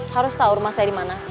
harus tahu rumah saya di mana